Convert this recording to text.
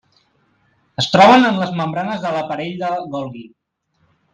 Es troben en les membranes de l'aparell de Golgi.